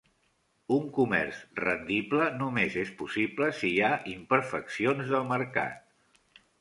Un comerç rendible només és possible si hi ha imperfeccions del mercat.